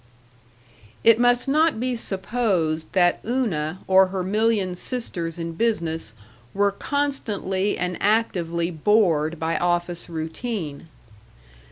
§ 3 It must not be supposed that Una or her million sisters in business were constantly and actively bored by office routine.